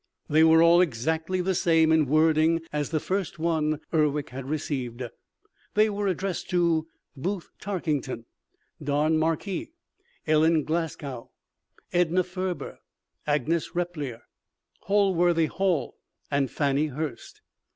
They were all exactly the same in wording as the first one Urwick had received. They were addressed to Booth Tarkington, Don Marquis, Ellen Glasgow, Edna Ferber, Agnes Repplier, Holworthy Hall and Fannie Hurst.